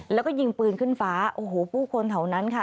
แล้วก็ยิงปืนขึ้นฟ้าโอ้โหผู้คนแถวนั้นค่ะ